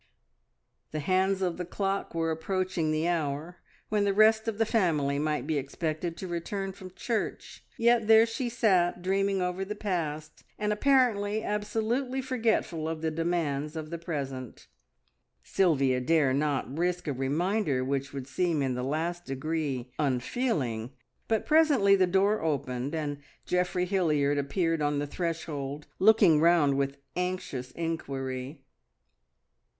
The hands of the clock were approaching the hour when the rest of the family might be expected to return from church, yet there she sat dreaming over the past, and apparently absolutely forgetful of the demands of the present. Sylvia dare not risk a reminder which would seem in the last degree unfeeling, but presently the door opened, and Geoffrey Hilliard appeared on the threshold, looking round with anxious inquiry.